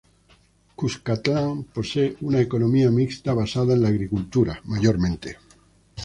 Cuscatlán posee una economía mixta basada en la agricultura mayormente.